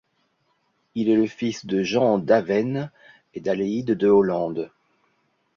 Il est le fils de Jean d'Avesnes, et d'Adélaïde de Hollande.